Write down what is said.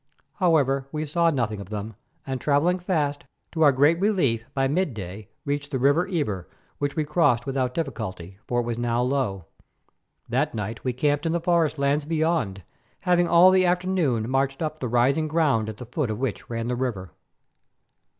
However, we saw nothing of them, and, travelling fast, to our great relief by midday reached the river Ebur, which we crossed without difficulty, for it was now low. That night we camped in the forest lands beyond, having all the afternoon marched up the rising ground at the foot of which ran the river.